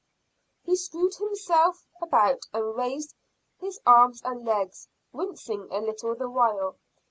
He screwed himself about and raised arms and legs, wincing a little the while.